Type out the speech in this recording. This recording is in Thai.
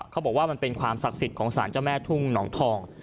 เขาบอกว่ามันเป็นความศักดิ์สิทธิ์ของสารเจ้าแม่ทุ่งหนองทอง